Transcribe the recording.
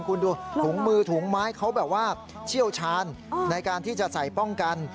คุณดูถุงมือถุงไม้เขาแบบว่าเชี่ยวชาญในการที่จะใส่ป้องกัน